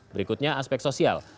berikutnya aspek sosial